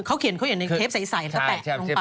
เขาเขียนในเพลพใสแล้วก็แปะตรงไป